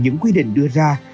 những quy định đưa ra